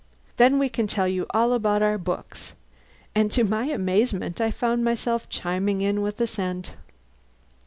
Then we can tell you all about our books." And to my amazement I found myself chiming in with assent.